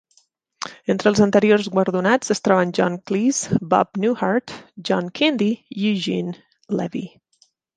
Entre els anteriors guardonats es troben John Cleese, Bob Newhart, John Candy i Eugene Levy.